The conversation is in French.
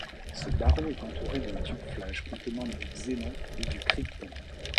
Ce barreau est entouré d'un tube flash contenant du xénon ou du krypton.